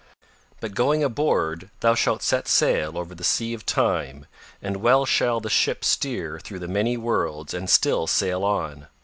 But going aboard thou shalt set sail over the Sea of Time and well shall the ship steer through the many worlds and still sail on.